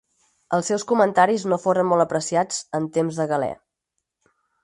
Els seus comentaris no foren molt apreciats en temps de Galè.